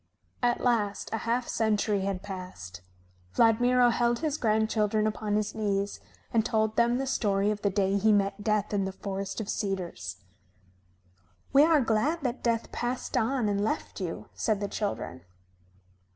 At last a half century had passed. Vladmiro held his grandchildren upon his knees and told them the story of the day he met Death in the forest of cedars. "We are glad that Death passed on and left you," said the children.